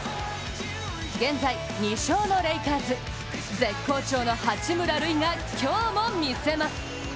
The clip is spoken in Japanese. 現在２勝のレイカーズ、絶好調の八村塁が今日も見せます。